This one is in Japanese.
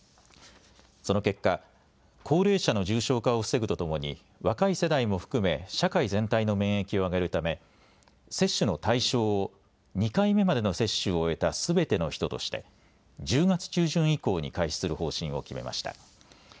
その結果、高齢者の重症化を防ぐとともに若い世代も含め社会全体の免疫を上げるため接種の対象を２回目までの接種を終えたすべての人として１０月中旬以降に開始する方針を決めました。